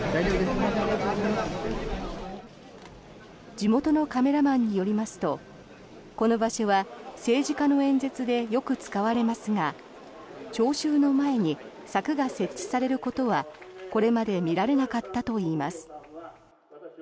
地元のカメラマンによりますとこの場所は政治家の演説でよく使われますが聴衆の前に柵が設置されることはこれまで見られなかったといいます。